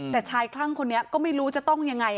แต่ชายคลั่งคนนี้ก็ไม่รู้จะต้องยังไง